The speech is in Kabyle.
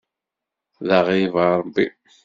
D aɣrib a Ṛebbi.